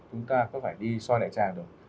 chúng ta có phải đi xoay đại trạng rồi